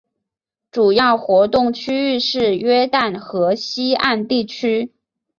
主要活动区域是约旦河西岸地区。